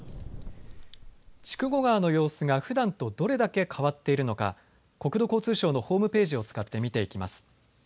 筑後川の様子がふだんとどれだけ変わっているのか国土交通省のホームページを使って見ていきます。